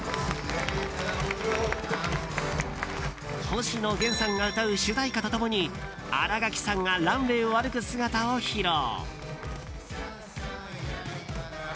星野源さんが歌う主題歌と共に新垣さんがランウェーを歩く姿を披露。